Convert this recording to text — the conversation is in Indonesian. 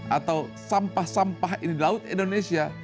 atau sampah sampah ini di laut indonesia